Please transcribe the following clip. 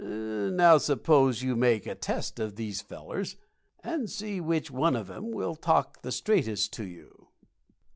Now, suppose you make a test of these fellers, and see which one of 'em will talk the straightest to you."